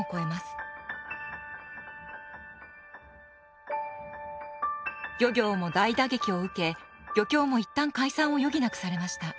漁業も大打撃を受け漁協もいったん解散を余儀なくされました。